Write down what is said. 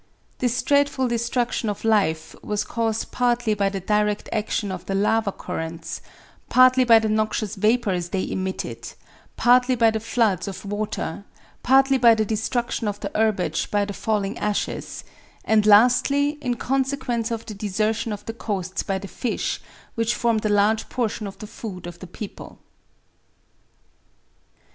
This dreadful destruction of life was caused partly by the direct action of the lava currents, partly by the noxious vapors they emitted, partly by the floods of water, partly by the destruction of the herbage by the falling ashes, and lastly in consequence of the desertion of the coasts by the fish, which formed a large portion of the food of the people.